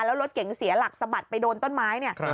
แล้วรถเก๋งเสียหลักสะบัดไปโดนต้นไม้เนี่ย